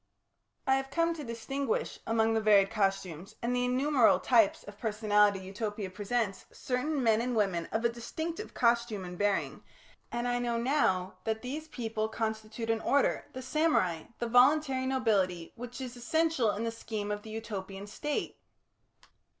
I have come to distinguish among the varied costumes and the innumerable types of personality Utopia presents, certain men and women of a distinctive costume and bearing, and I know now that these people constitute an order, the samurai, the "voluntary nobility," which is essential in the scheme of the Utopian State.